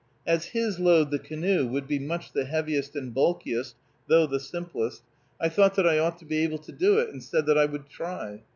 As his load, the canoe, would be much the heaviest and bulkiest, though the simplest, I thought that I ought to be able to do it, and said that I would try.